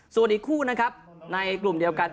ส่วนอีกคู่นะครับในกลุ่มเดียวกัน